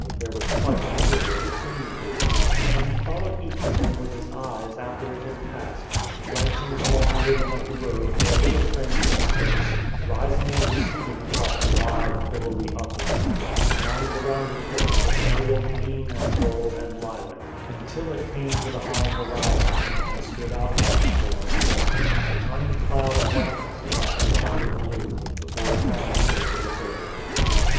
There was quite an interval between the groups; and he followed each of them with his eyes after it had passed, blanching the long ribbon of the road for a little transient space, rising and receding across the wide, billowy upland, among the rounded hillocks of aerial green and gold and lilac, until it came to the high horizon, and stood outlined for a moment, a tiny cloud of whiteness against the tender blue, before it vanished over the hill.